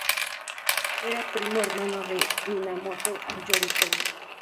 Era primo hermano de Minamoto Yoritomo.